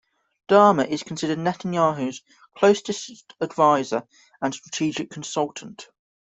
Dermer is considered Netanyahu's closest adviser and strategic consultant.